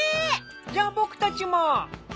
じゃあ僕たちも！